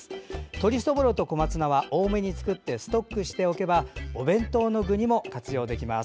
鶏そぼろと小松菜は多めに作ってストックしておけばお弁当の具にも活用できます。